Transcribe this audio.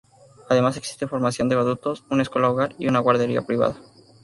Además existe formación de adultos, una escuela hogar y una guardería privada.